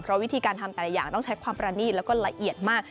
เพราะวิธีการทำแต่ละอย่างต้องใช้ความประนีตแล้วก็ละเอียดมาก